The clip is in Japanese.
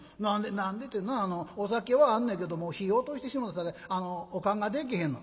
「何でってなお酒はあんのやけどもう火落としてしもうたさかいお燗がでけへんの」。